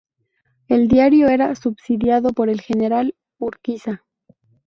El diario era subsidiado por el general Urquiza.